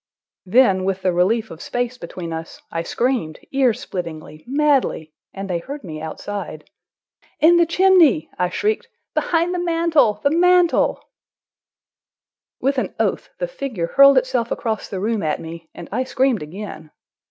Then, with the relief of space between us, I screamed, ear splittingly, madly, and they heard me outside. "In the chimney!" I shrieked. "Behind the mantel! The mantel!" With an oath the figure hurled itself across the room at me, and I screamed again.